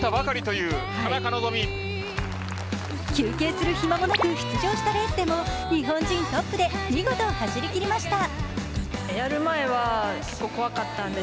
休憩する暇もなく出場したレースでも日本人トップで見事走りきりました。